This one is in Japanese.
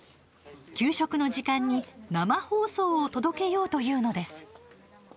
給食の時間に生放送を届けようというのです。